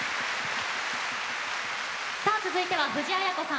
続いて、藤あや子さん